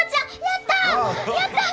やった！